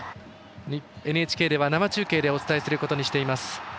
ＮＨＫでは生中継でお伝えすることにしています。